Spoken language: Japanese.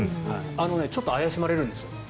ちょっと怪しまれるんですよ